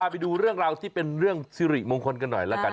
ไปดูเรื่องราวที่เป็นเรื่องสิริมงคลกันหน่อยละกัน